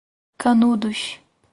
Canudos